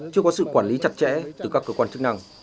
chưa có sự quản lý chặt chẽ từ các cơ quan chức năng